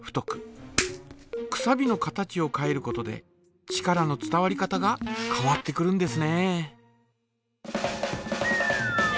くさびの形を変えることで力の伝わり方が変わってくるんですね。